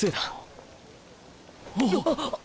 あっ。